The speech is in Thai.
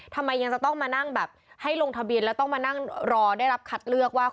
ทำไมยังจะต้องมานั่งแบบให้ลงทะเบียนแล้วต้องมานั่งรอได้รับคัดเลือกว่า